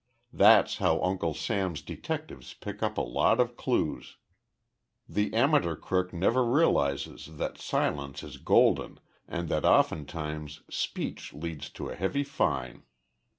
That's how Uncle Sam's detectives pick up a lot of clues. The amateur crook never realizes that silence is golden and that oftentimes speech leads to a heavy fine.